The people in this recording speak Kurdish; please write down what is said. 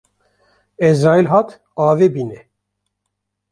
Ezraîl hat avê bîne